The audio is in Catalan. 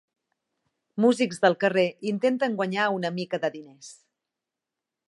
Músics del carrer intenten guanyar una mica de diners.